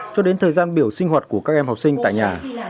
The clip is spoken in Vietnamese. cho đến thời gian biểu sinh hoạt của các em học sinh tại nhà